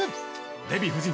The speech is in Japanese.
デヴィ夫人